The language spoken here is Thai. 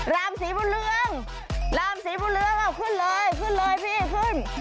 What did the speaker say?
รามสีมุ่นเรืองรามสีมุ่นเรืองครับขึ้นเลยขึ้นเลยพี่ขึ้น